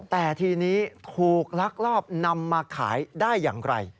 แต่ทีนี้ถูกลักลอบนำมาขายได้อย่างไร